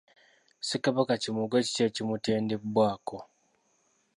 Ssekabaka Kimbugwe kiki ekimutendebwako?